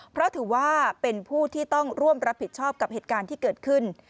เพราะถือว่าเป็นผู้ที่ต้องร่วมรับผิดชอบกับเหตุการณ์ที่เกิดขึ้น